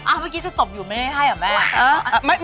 เมื่อกี้จะตบอยู่ไม่ได้ให้เหรอแม่